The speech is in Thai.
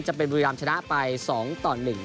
จะเป็นบุรีรำชนะไป๒ตอน๑